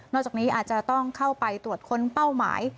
จากนี้อาจจะต้องเข้าไปตรวจค้นเป้าหมาย